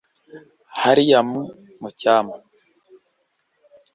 hariya mu mucyamo